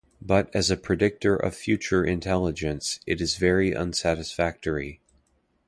But as a predictor of future intelligence, it is very unsatisfactory.